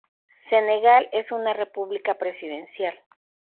Senegal es una república presidencial.